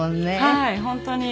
はい本当に。